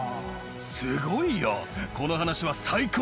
すごいよ。